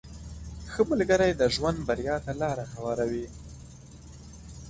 • ښه ملګری د ژوند بریا ته لاره هواروي.